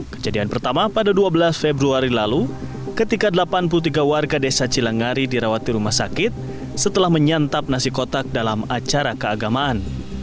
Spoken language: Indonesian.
kejadian pertama pada dua belas februari lalu ketika delapan puluh tiga warga desa cilangari dirawat di rumah sakit setelah menyantap nasi kotak dalam acara keagamaan